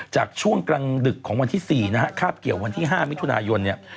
ช่วงกลางดึกของวันที่๔นะฮะคาบเกี่ยววันที่๕มิถุนายนเนี่ย